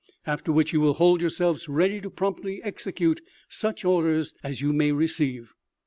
After which you will hold yourselves ready to promptly execute such orders as you may receive."